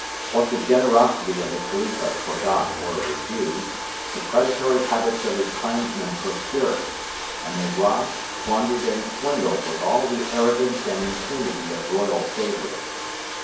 What the generosity of the Khalifa forgot or refused, the predatory habits of his clansmen procured; and they robbed, plundered, and swindled with all the arrogance and impunity of royal favourites.